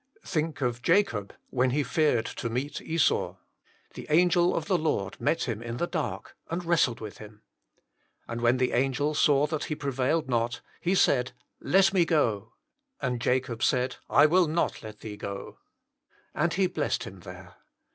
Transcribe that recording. Think of Jacob, when he feared to meet Esau. The angel of the Lord met him in the dark, and wrestled with him. And when the angel saw that he prevailed not, he said, " Let me go." And Jacob said, " I will not let thee go." And he blessed him there.